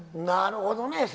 なるほどね。